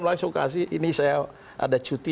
langsung kasih ini saya ada cuti